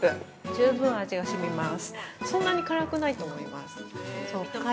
十分味がしみます。